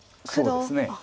そうですね。